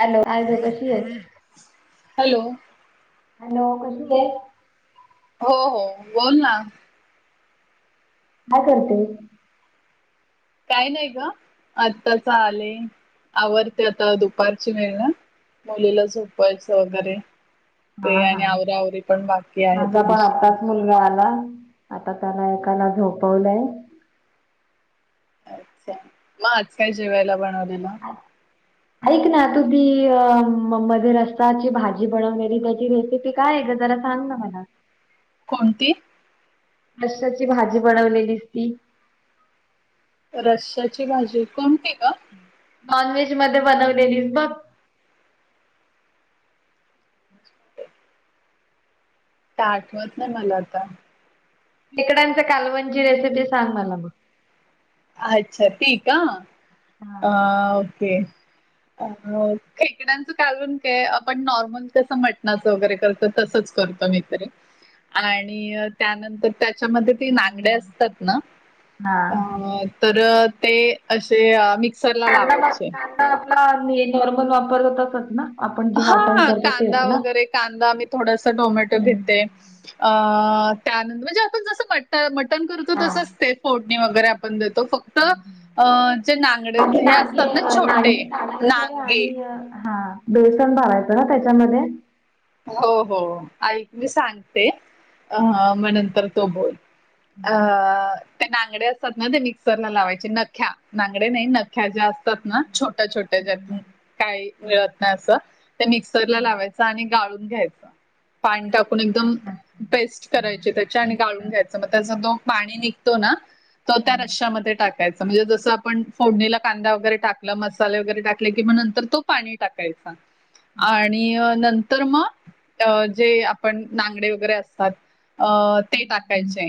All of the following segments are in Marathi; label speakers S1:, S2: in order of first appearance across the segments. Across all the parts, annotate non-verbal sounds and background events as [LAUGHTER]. S1: हॅलो काय ग कशी आहे?
S2: हॅलो!
S1: हॅलो कशी आहेस?
S2: हो हो बोल ना!
S1: काय करतेस?
S2: काय नाही ग आत्ताच आले आवरते आता दुपारची वेळ ना मुलीला झोपयचं वगैरे
S1: हा
S2: ते
S1: हा
S2: आणि आवरा आवरी पण बाकी आहे
S1: माझा पण
S2: थोडीशी
S1: आत्ताच मुलगा आला आता त्याला एकाला झोपवलंय.
S2: अच्छा मग आज काय जेवायला बनवलेल?
S1: [INAUDIBLE] ऐक ना तुझी मध्ये रसाची भाजी बनवली त्याची रेसिपी काय आहे ग जरा सांग ना मला.
S2: कोणती?
S1: रस्याची भाजी बनवलेली ती.
S2: रश्याची भाजी कोणती ग?
S1: नॉन व्हेज मध्ये बनवलेलीस बघ.
S2: आता आठवत नाही मला आता.
S1: खेकड्यांचं कालवंन केलेल ते सांग मला मग.
S2: अच्छा ती का
S1: हा.
S2: अ ओके. अ खेकड्यांचं कालवण काय आपण नॉर्मल कसं मटणाचं वगैरे करत तसच करतो मी तरी आणि त्यानंतर त्याच्यामध्ये ते नागडे असतात ना
S1: हा!
S2: अ तर ते अशे मिक्स
S1: कांदा कांदा आपला नॉर्मल वापरत तसच ना? आपण जे वाटण
S2: हा
S1: करतो
S2: कांदा
S1: तेच ना.
S2: वगैरे कांदा मी थोडासा टोमॅटो घेते.
S1: हम्म.
S2: अ त्यानंत म्हणजे आपण जसं मट मटण करतो
S1: हा
S2: तसंच ते फोडणी वगैरे आपण देती तो फक्त अं जे
S1: बाकी
S2: नागडेचे हे
S1: नागे
S2: असतात ना छोटे
S1: नागे काढायचे
S2: नांगे
S1: आणि अ, हा बेसन भावायचं ना त्याच्यामध्ये?
S2: हो हो ऐक मी सांगते अ म नंतर तू बोल. अ ते नागडे असतात ना ते मिक्सरला लावायचे नख्या नागडे नाही नख्या ज्या असतात ना छोट्या छोट्या ज्यातून काही मिळत नाही अस त्या मिक्सरला लावायचं आणि पाणी टाकून एकदम
S1: अच्छा अच्छा
S2: पेस्ट
S1: हा
S2: करायचे त्याच्या आणि
S1: तेच
S2: गाळून घ्यायच.
S1: करायचं.
S2: मग त्याचा तो पाणी निघतो ना तर त्या रश्यामध्ये टाकायचं म्हणजे जसं आपण फोडणीला कांदा वगैरे टाकलं मसाले वगैरे टाकले किं नंतर तो पाणी टाकायचा आणि नंत तर मग जे आपण नागडे वगैरे असतात. अ ते टाकायचे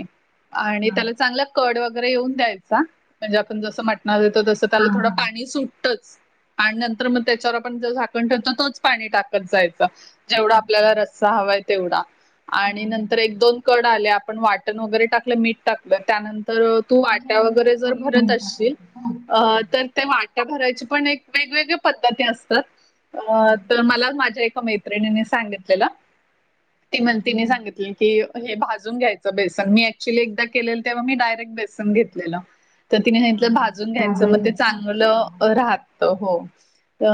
S2: आणि
S1: हा
S2: त्याला चांगला कड वगैरे येऊन द्यायचा म्हणजे आपण जस म्हटणा वर येतो तस त्याला
S1: हा
S2: थोडं
S1: हा हा
S2: पाणी सुटतच. आणि नंतर मग त्याच्यावर आपण जो झाकण ठरतो तोच पाणी टाकत जायचा. जेवढा
S1: अच्छा
S2: आपल्याला रस्सा हवाय तेवढा. आणि
S1: हा हा
S2: नंतर एक दोन कड आले आपण वाटण वगैरे टाकलं मीठ टाकलं त्यानंतर तू वाट्या
S1: त्याच्यानंतर
S2: वगैरे जर
S1: ते
S2: भरत असशील
S1: टाकायचे का
S2: अ तर त्या वाट ट्या भरायची पण एक वेगवेगळ पद्धती असतात
S1: हम्म.
S2: तर मला माझ्या एका मै त्रीनीनी सांगितलेलं तिनंतिनी सांगितलेलं की हे भाज भाजून घ्यायचं बेसन मी ऍक्च्युली एकदा केलेलं तेव्हा मी डायरेक्ट बेसन घेतलेल तर तिने
S1: हा
S2: सांगितलं जो ते
S1: हा
S2: भाजून घ्यायचं मग ते
S1: भाजायचं का हा
S2: चांगलं
S1: हा.
S2: राहत हो. अ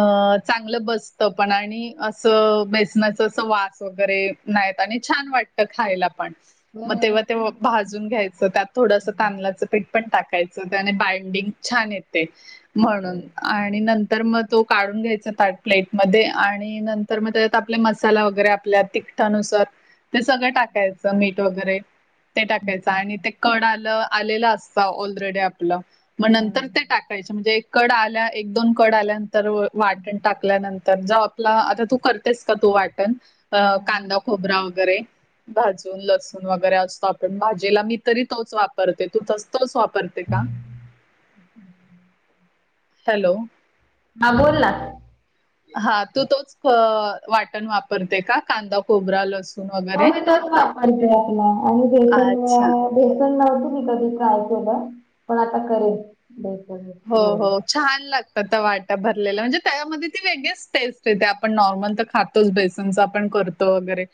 S2: चांगलं बसत पण आणि असं बेसनाच अस वास वगैरे नाही येत आणि छान वाटत खायला पण.
S1: हो
S2: मग तेव्हा
S1: मस्त
S2: ते
S1: लागत
S2: भाजून घ्यायचं त्यात थोडंस तादल्याचं पीट पण टाकायचं त्याने बाइंडिंग छान येते. म्हणून आणि नंतर मग तो काढून घ्यायचा ताट प्लेटमध्ये आणि नंतर मग ते आपले मसाला वगैरे आपल्या तिखटानुसार ते सगळं टाकायचं मीठ वगैरे ते टाकायचं
S1: हा
S2: आणि ते कळ आलं आलेला असता ऑलरेडी आपलं. मग नंतर ते टाकायच म्हणजे कड आल्या एक दोन कड आल्यानंतर वाटण टाकल्यानंतर जाऊ आपला आता तू कर तेस का तू वाटण अ
S1: हा
S2: कांदा खोबरा वगैरे भाजून लसूण वगैरे असतो आपण भाजीला मी तरी तोच वापरते तू तस तस वापर परते का? हॅलो.
S1: हा बोल ना.
S2: हा तू तोच अ वाटण वापरते का कांदा खोबरा लसू
S1: हो मी तोच वापरते आपला आणि जे पण
S2: अच्छा
S1: बेसन नव्हत मी कधी ट्राय केलं पण आता करेन.
S2: हो, हो.
S1: [UNINTELLIGIBLE]
S2: छान लागतात त्या वाट्या भरलेला म्हणजे तव्यामध्ये ती वेगळीच टेस्ट येते आपण नॉर्मल तर खात तेल बेसनच आपण करतो वगैरे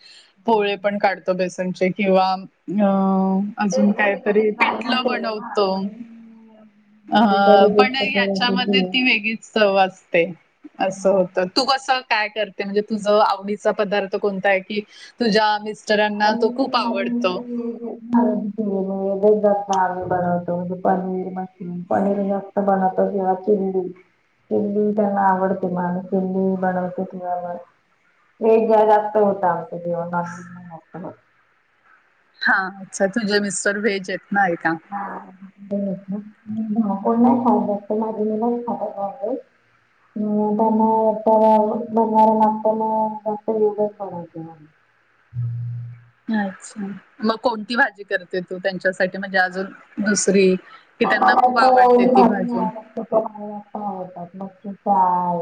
S2: पोळे पण काढतो बेसनचे किंवा म
S1: तेच
S2: अजून
S1: ग मी कधी
S2: कायतरी
S1: ट्राय नाही
S2: पिटलं
S1: केलं ना
S2: बनवतो.
S1: म्हणून
S2: अ
S1: मी करू दे
S2: पण
S1: कसं
S2: याच्यामध्ये
S1: केलं.
S2: ती वेगळीच चव असते. असं होत तू कसं काय करते म्हणजे तुझं आवडीचा पदार्थ कोणता आहे की तुझ्या मिस्टरांना
S1: आणि
S2: तो खूप
S1: माझी
S2: आवडतो.
S1: [UNINTELLIGIBLE] आम्ही बनवतो म्हण पनीर मशरूम पनीर म [UNINTELLIGIBLE] [UNINTELLIGIBLE] [UNINTELLIGIBLE] जास्त होतं आमचं जेवन रात्री. अह.
S2: हा अच्छा तुझे मिस्टर व्हेज येत नाही का.
S1: दा घरात कोण नाही खात जास्त माझे [UNINTELLIGIBLE] खाता नॉनव्हेज. [UNINTELLIGIBLE] [INAUDIBLE]
S2: अच्छा मग कोणती भाजी करते तू त्यांच्यासाठी म्हणजे अजून दुसरी. की त्यांना खूप आवडते ती भाजी
S1: [UNINTELLIGIBLE] मच्छी फ्राय.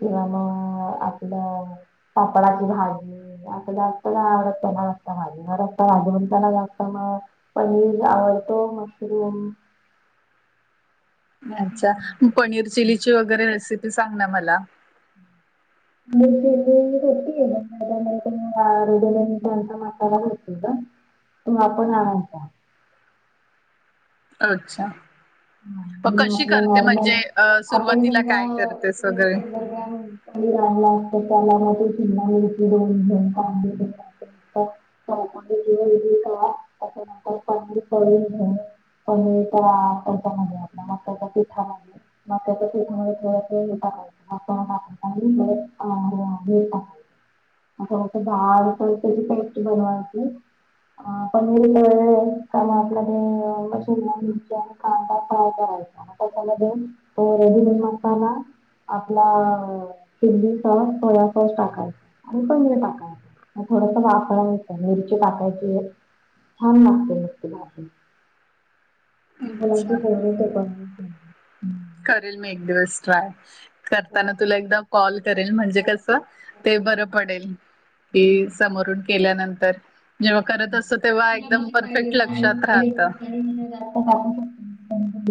S1: किंवा मग आपलं पापळाची भाजी. आता जास्त नाही आवडत त्याना भाजी मत भाजी म्हण त्याला [UNINTELLIGIBLE] जास्त म पनीर आवडत मशरूम.
S2: म अच्छा मग पनीर चिल्लीची वगैरे रेसिपी सांगना मला.
S1: [UNINTELLIGIBLE] तुम् आपण आणाल का?
S2: अच्छा. मग
S1: आणि
S2: कशी
S1: आपला
S2: करते?
S1: नॉर्मल
S2: म्हणजे अ सुरुवातीला काय करतेस वगैरे?
S1: [UNINTELLIGIBLE] हा चौकटी जवळ येवून जावा त्याच्यांत पाणी पडेल. पनीर तळा हेज्या आता मक्याच्या पिठा मध्ये मक्याच्या पिठामध्ये म ते टाकायचं. आता म खाली वर [UNINTELLIGIBLE] आता फक्त त्याची जाडसर पेस्ट बनवायची. हा पनीरचे काम असले, की मशीन ला मिरच्या कांदा कापायचा आताच्याला दोन फोडणी घालताना. आपला चिंली सॉस सोया सॉस टाकायच आणि पनीर टाकायचं. थोडस झाकण ठेवायच, मिरची वाफवायची छान लागते मस्त भाजी मंडळाचे
S2: अच्छा
S1: सगळे स्वयपाक
S2: करेल मी एक दिवस ट्राय.
S1: हो हो.
S2: करताना तुला एकदा कॉल करेल, म्हणजे कसं ते बरं पडेल. कि समोरून केल्यानंतर. जेव्हा करत असतो, तेव्हा
S1: तुला
S2: एकदम
S1: कशी
S2: परफेक्ट लक्षात राहतं.
S1: [UNINTELLIGIBLE] बाय चान्स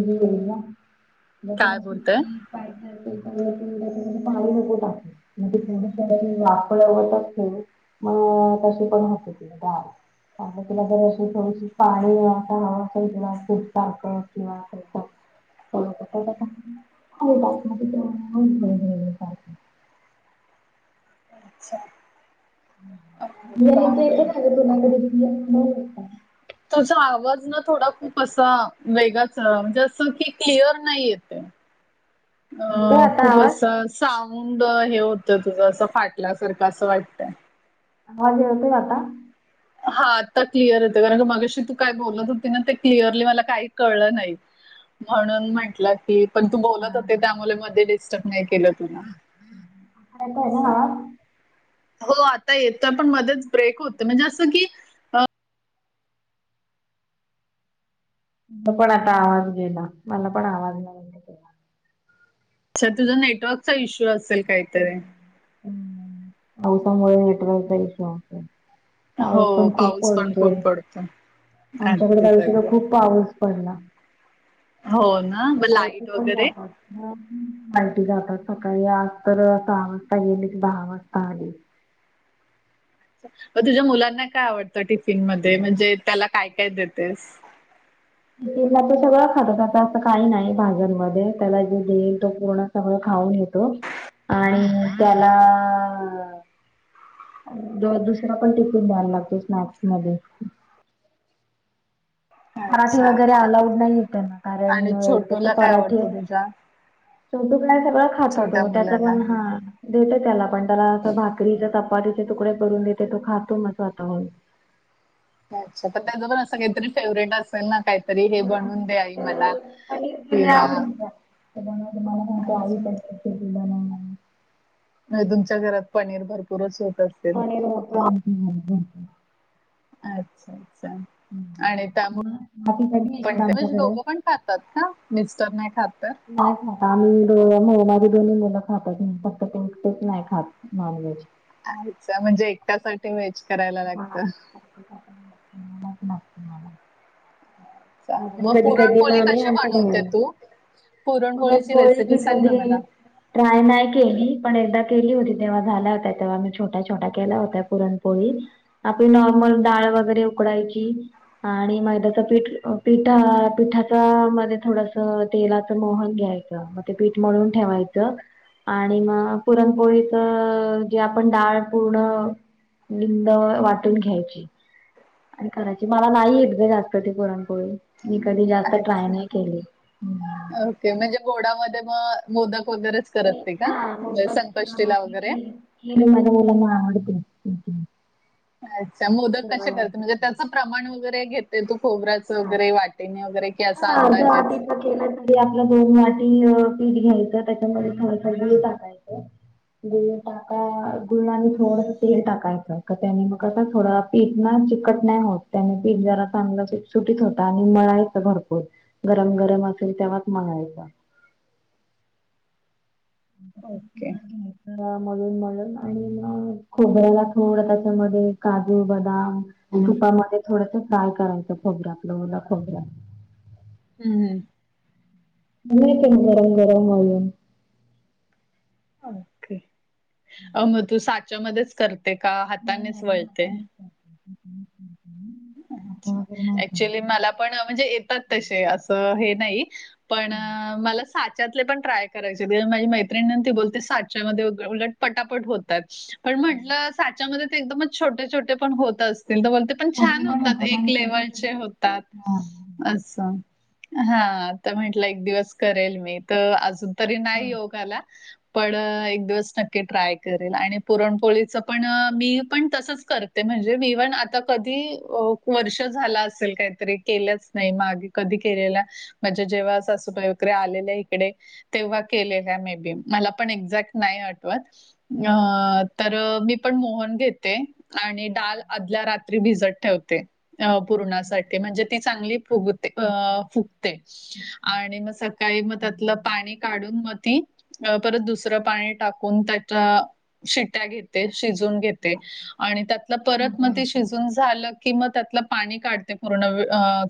S2: काय बोलतय
S1: अस त्याच्यामध्ये पाणी नको टाकू. म्हणजे थोडी थोडी वाफवतच ठेव, मग तशी पण वाफव ती तुला जर अशी थोडीशी पाणी अस हवं असेल, तुला पातळ किंवा [UNINTELLIGIBLE]
S2: अच्छा. अ,
S1: बिर्याणीची येते
S2: चालेल.
S1: का ग तुला रेसिपी मग मला सांग.
S2: तुझा आवाज ना, थोडा खूप असा वेगळाच असं कि, क्लिअर नाही येतय.
S1: [INAUDIBLE] येतोय
S2: अ
S1: आता
S2: खूप
S1: आवाज?
S2: असाच. साऊंड हे होतं तुझं असं फाटल्यासारखं असं वाटतंय.
S1: आवाज येतोय आता
S2: हा आता क्लिअर येतोय, पण अ मगाशी तू काय बोलत होती? ना ते क्लिअरली मला काही कळलं नाही. म्हणून म्हटलं की पण, तू
S1: हा
S2: बोलत होते
S1: हा.
S2: त्यामुळे मध्ये डिस्टर्ब नाही केलं तुला.
S1: येतोय ना
S2: असं.
S1: आवाज?
S2: हो आता येतोय, पण मध्येच ब्रेक होतय म्हणजे असं की
S1: तुमचा पण आता आवाज गेला, मला पण आवाज नाही येत आहे.
S2: सई तुझा नेटवर्कचा इश्यू असेल काहीतरी,
S1: अच्छा. पावसामुळे नेटवर्क चा इश्यू असेल.
S2: हो,
S1: पाऊस पण खूप
S2: पाऊस पण
S1: पडतोय,
S2: खूप पडतो.
S1: आमच्याकडे तर या
S2: अगदीच,
S1: वर्षी तर
S2: अगदी.
S1: खूप पाऊस पडला.
S2: हो ना, मग लाईट वगैरे
S1: हो लाईटी जातात. सकाळी आज तर सहा वाजता गेली आणि दहा वाजता आली.
S2: मग तुझ्या मुलांना काय आवडतं टिफिन मध्ये म्हणजे त्याला काय काय देतेस?
S1: जे दिलं ते सगळ खातात असं काही नाही. भाज्यांमध्ये त्याला जे देईल तो पूर्ण सगळ खाऊन येतो आणि त्याआला आ आ रोज दुसरा पण टिफिन द्यायला लागतो स्नॅक्स मध्ये पराठे
S2: अच्छा
S1: वगैरे अलाउड नाहीए त्यांना कारण
S2: आणि
S1: जस,
S2: छोटूला काय
S1: पराठे
S2: आवडतं तुझ्या?
S1: छोटू ना सगळं खातो
S2: छोट्या
S1: तो त्याचा
S2: मुलाला
S1: पण हा देते त्याला पण त्याला असं भाकरीचे, चपातीचे, तुकडे करून देते. तो खातो म स्वतःहून
S2: अच्छा तर त्याच पण असं काहीतरी फेवरेट असेल, ना काहीतरी हे बनून दे आई मला. किंवा अच्छा
S1: [INAUDIBLE]
S2: नाही तुमच्या घरात पनीर भरपूर
S1: पनीर होता आमच्या घरी
S2: अच्छा अच्छा आणि
S1: मग आधी कधी
S2: त्यामुळे पण
S1: येशील
S2: म्हणजे
S1: आमच्याकडे?
S2: दोघं पण खातात का मिस्टर नाही खात तर?
S1: नाही खात आम्ही दोन्ही मुलं खात फक्त तेच नाही खात नॉनव्हेज
S2: अच्छा म्हणजे एकट्यासाठी वेज करायला
S1: हा.
S2: लागतं.
S1: मला
S2: अच्छा.
S1: हा
S2: मग
S1: कधी कधी
S2: पुरणपोळी
S1: आम्हीही
S2: कशी
S1: आणतो
S2: बनवते
S1: बाहेरून
S2: तू? पुरणपोळीची
S1: पुरणपोळी मी
S2: रेसिपी सांग ना
S1: कधीही
S2: मला.
S1: ट्राय नाही केली पण एकदा केली होती तेव्हा झाल्या होत्या तेव्हा मी छोट्या छोट्या केल्या होत्या पुरणपोळी. आपली नॉर्मल डाळ वगैरे उकडायची आणि मैद्याच पीठ पिठा पिठाच्या मध्ये थोडंसं तेलाचं मोहन घ्यायचं ते पीठ मळून ठेवायचं. आणि मग पुरणपोळीच जे आपण डाळ गुळ लिंब वाटून घ्यायची. आणि करायची मला नाही एकदा जास्त ती पुरणपोळी मी कधी जास्त ट्राय
S2: अच्छा
S1: नाही केली.
S2: ओके म्हणजे गोडामध्ये मग मोदक वगैरेच करत नाही का
S1: हा
S2: म्हणजे संकष्टीला वगैरे
S1: मी माझ्या मुलांना आवडते
S2: अच्छा मोदक कशे करते म्हणजे त्याचं प्रमाण वगैरे कसं घेते. ते तू खोबऱ्याचं
S1: हा
S2: वगैरे वाटीणी वगैरे की असा
S1: हा
S2: अंदाजेच?
S1: जआदिप [UNINTELLIGIBLE] के त आपलं दोन वाटी पीठ घ्यायचं त्याच्यामध्ये थोडंसं गूळ टाकायचं. गुळ टाका गुळ आणि थोडस तेल टाकायचं का त्यानी मग कसं थोडं पीठ ना चिकट नाही होत त्याने पीठ जरा चांगलं सुटीत होत आणि मळायच भरपूर गरम गरम असेल तेव्हाच मळायच
S2: ओके.
S1: ह मळून मळून आणि मग खोबऱ्याला थोड त्याच्यामध्ये काजू बदाम
S2: हम्म.
S1: तुपामध्ये थोडंसं फ्राय करायचं खोबर्या आपलं ओ खोबऱ्या
S2: हम्म हम्म
S1: म प गरम गरम हो
S2: ओके अ मग तू साच्यामध्येच करते का
S1: नाही
S2: हातानेच
S1: नाही
S2: वळते.
S1: हातानेच करते. आता
S2: अच्छा
S1: वगैरे नाही करत.
S2: ऍक्च्युली मला पण म्हणजे येतात तसे असं हे नाही. पण मला सा तले पण ट्राय करायचे ते माझी मैञिणी ते बोलते साचामध्ये उलट पटापट होतात. पण म्हटलं साच्यामध्ये ते एकदमच छोटे छोटे पण होत असतील तर बोलते पण छान
S1: छोटे पण
S2: होतात एक
S1: आणि कधी
S2: लेवल चे
S1: कधी
S2: होतात
S1: हा
S2: असं हाता म्हंटलं एक दिवस करेल मी तर अजून. तरी
S1: बर
S2: नाही योगाला पण एक दिवस नक्की ट्राय करेल आणि पुरणपोळीच पण मी पण तसंच कर म्हणजे इवण आता कधी ते वर्ष झाला असेल काहीतरी केलंच नाही मागे कधी केलेल्या म्हणजे जेव्हा सासू वगैरे आलेले इकडे तेव्हा केलेल्या मे बी मला पण एक्झॅक्ट नाही आठवत. अ तर मी पण मोहन घेते आणि डाल आदल्या रात्री भिजत ठेवते पूर्णासाठी म्हणजे ती चांगली फुगते
S1: अच्छा अच्छा
S2: फुगते. आणि मग सकाळी मग त्यातलं पाणी काढून मग ती अ परत दुसरं पाणी टाकून त्याच्या शिट्या घेते शिजून घेते. त्या परत
S1: ओके
S2: मग शिजवून
S1: ओके
S2: झालं की मग त्यातल पाणी काढते पूर्ण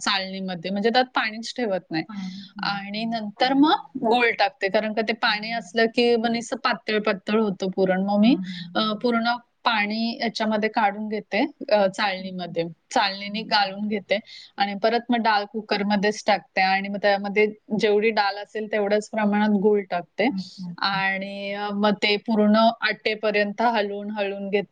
S2: चालणीमध्ये म्हणजे त्यात पाणीच ठेवत. नाही
S1: पाणी
S2: आणि
S1: ठेवायचं
S2: नंतर मग. गोल टाकते कारण का ते पाणी असलं की निस्त पातळ पातळ. पातळ होतो पुरण मग मग
S1: हा
S2: मी
S1: हा हा
S2: पूर्ण पाणी याच्यामध्ये काढून घेते. अ
S1: ओके
S2: चालणीमध्ये चालणीने
S1: हा, हा.
S2: गालून घेते. आणि परत मग डाळ कुकरमध्येध्येच टाकते आणि मग त्यामध्ये जेवढी डाल असेल तेवढंच प्रमाणात गूळ टाक
S1: अच्छा अच्छा
S2: आणि मग ते पूर्ण आठेपर्यंत हलून हळून घेत.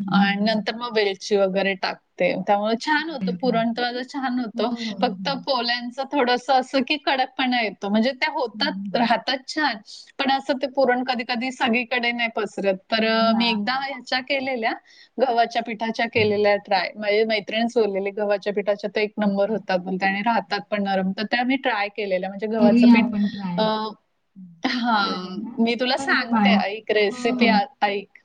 S1: हम्म, हम्म.
S2: नंतर मग वेलची वगैरे टाक ते त्यामुळे छान होत
S1: बरं.
S2: पुरणवा छान होतं
S1: हो हो हो
S2: फक्त
S1: हम्म,
S2: पोलायांच. थोडस असं की कडकपणा येतो म्हणजे त्या होतात
S1: हम्म.
S2: राहतात छान, पण असं ते पुरण कधी कधी सगळीकडे नाही पसरत तर
S1: हा
S2: मी
S1: हा
S2: एकदा केलेल्या गव्हाच्या पिठाच्या केलेल्या ट्राय म्हणजे मैत्र सल्या गव्हाच्या पिठाच्या एक नंबर होतात त्या आणि राहतात पण नरम तर त्या मी ट्राय केलेल्या म्हणज गव्हाच पीठ अ हा मी तुला सांगते ऐक रेसिपी ऐक